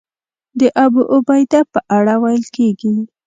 د ابوعبیده په اړه ویل کېږي.